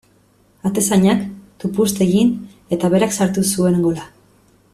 Atezainak tupust egin eta berak sartu zuen gola.